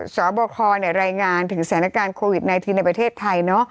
สบครายงานถึงสถานการณ์โควิด๑๙ในประเทศไทย